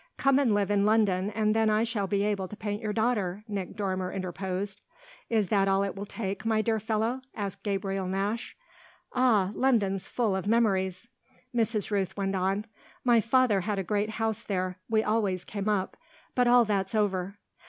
"Come and live in London and then I shall be able to paint your daughter," Nick Dormer interposed. "Is that all it will take, my dear fellow?" asked Gabriel Nash. "Ah, London's full of memories," Mrs. Rooth went on. "My father had a great house there we always came up. But all that's over."